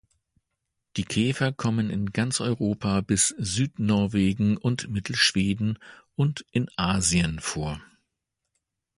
Die Käfer kommen in ganz Europa bis Südnorwegen und Mittelschweden und in Asien vor.